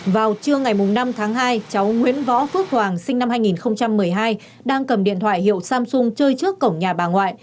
vào trưa ngày năm tháng hai cháu nguyễn võ phước hoàng sinh năm hai nghìn một mươi hai đang cầm điện thoại hiệu samsung chơi trước cổng nhà bà ngoại